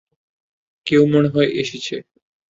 কেউ মনে হয় এসেছে।